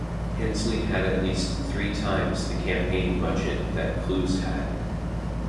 Hensley had at least three times the campaign budget that Kloos had.